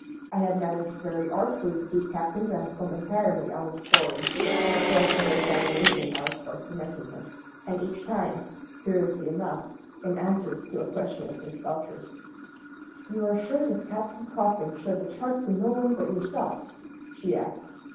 I had managed very artfully to keep Captain Branscome entirely out of the story, but twice under examination I was forced to mention him and each time, curiously enough, in answer to a question of Miss Belcher's. "You are sure this Captain Coffin showed the chart to no one but yourself?" she asked.